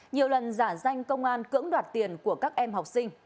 nhiều lần giả danh công an cưỡng đoạt tiền của các em học sinh